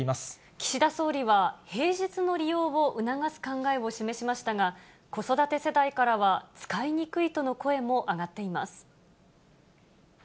岸田総理は、平日の利用を促す考えを示しましたが、子育て世代からは使いにくいとの声も上がっています。